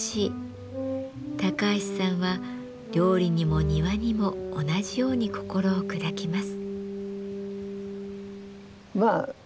橋さんは料理にも庭にも同じように心を砕きます。